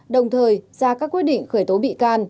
đồng thời ra các quyết định khởi tố bị can